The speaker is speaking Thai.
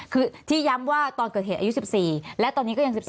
คือที่ย้ำว่าตอนเกิดเหตุอายุ๑๔และตอนนี้ก็ยัง๑๔